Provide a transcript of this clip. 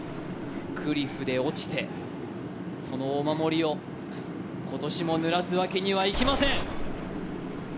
クリフで落ちて、そのお守りを今年もぬらすわけにはいきません。